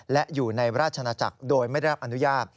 และอยู่ในราชนาจักรโดยไม่ได้รับอนุญาต